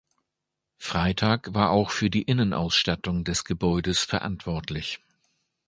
Freitag war auch für die Innenausstattung des Gebäudes verantwortlich.